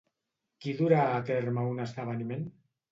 Qui durà a terme un esdeveniment?